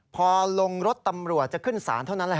พอลงรถตำรวจจะขึ้นสารเท่านั้น